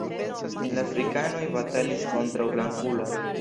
La Afrikanoj batalis kontraŭ Blankulo.